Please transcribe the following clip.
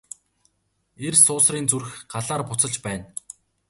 Эр суусрын зүрх Галаар буцалж байна.